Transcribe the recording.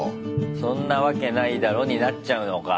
そんなわけないだろになっちゃうのか。